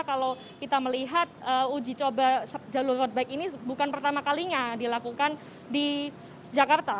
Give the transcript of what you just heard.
kalau kita melihat uji coba jalur road bike ini bukan pertama kalinya dilakukan di jakarta